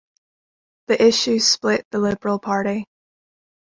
The issue split the Liberal Party.